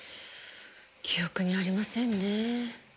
記憶にありませんね。